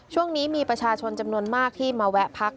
ช่วงนี้มีประชาชนจำนวนมากที่มาแวะพัก